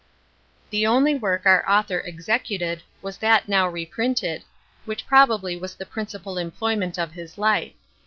The only work our author executed was that now reprinted, which probably was the principal employment of his life.